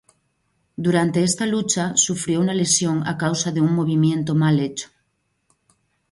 Durante esta lucha sufrió una lesión a causa de un movimiento mal hecho.